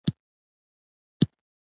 د غړکي په څيرلو نه کېږي ، غوا يې ووژنه.